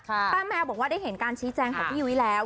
ป้าแมวบอกว่าได้เห็นการชี้แจงของพี่ยุ้ยแล้ว